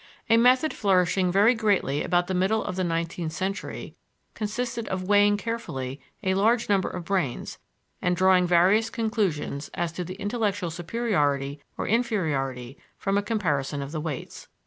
A method flourishing very greatly about the middle of the nineteenth century consisted of weighing carefully a large number of brains and drawing various conclusions as to intellectual superiority or inferiority from a comparison of the weights.